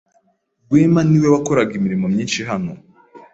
Rwema niwe wakoraga imirimo myinshi hano.